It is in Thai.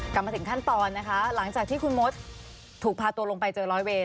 กลับมาถึงขั้นตอนนะคะหลังจากที่คุณมดถูกพาตัวลงไปเจอร้อยเวร